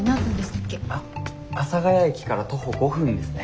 あ阿佐ヶ谷駅から徒歩５分ですね。